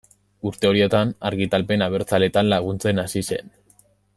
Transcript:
Urte horietan argitalpen abertzaleetan laguntzen hasi zen.